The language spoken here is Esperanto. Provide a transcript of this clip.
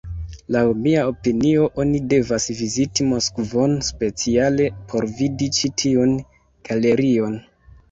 Laŭ mia opinio, oni devas viziti Moskvon speciale por vidi ĉi tiun galerion.